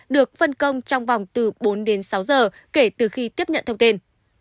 được phân công trong vòng từ bốn đến sáu giờ kể từ khi tiếp nhận thông tin